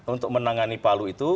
untuk menangani palu itu